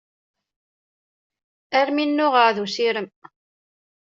Armi nnuɣeɣ d usirem.